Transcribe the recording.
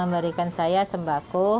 berikan saya sembako